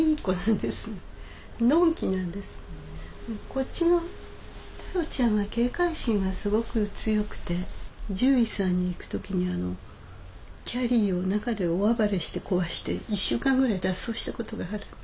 こっちのタロちゃんは警戒心がすごく強くて獣医さんに行く時にキャリーを中で大暴れして壊して１週間ぐらい脱走したことがある。